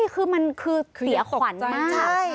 คือมันเตี๋ยขวัญมาก